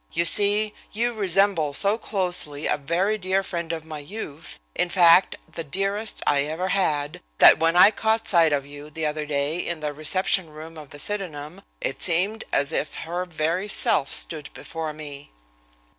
"You see, you resemble so closely a very dear friend of my youth, in fact, the dearest I ever had, that when I caught sight of you the other day in the reception room of the Sydenham, it seemed as if her very self stood before me."